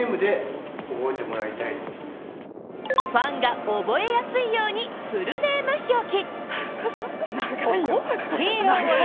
ファンが覚えやすいようにフルネーム表記。